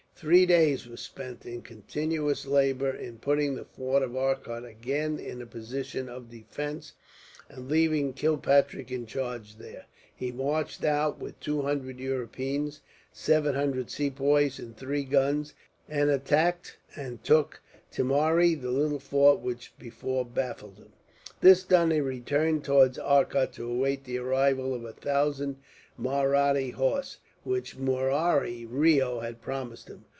Three days were spent, in continuous labour, in putting the fort of Arcot again in a position of defence; and, leaving Kilpatrick in charge there, he marched out with two hundred Europeans, seven hundred Sepoys, and three guns, and attacked and took Timari, the little fort which before baffled him. This done, he returned towards Arcot to await the arrival of a thousand Mahratta horse, which Murari Reo had promised him.